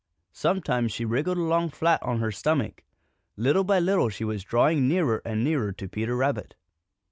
Sometimes she wriggled along flat on her stomach. Little by little she was drawing nearer and nearer to Peter Rabbit.